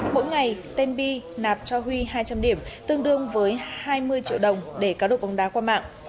mỗi ngày tên bi nạp cho huy hai trăm linh điểm tương đương với hai mươi triệu đồng để cáo độ bóng đá qua mạng